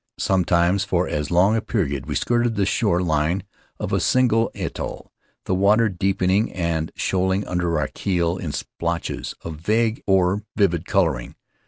Sometimes for as long a period we skirted the shore line of a single atoll, the water deepening and shoaling under our keel in splotches of vague or vivid coloring.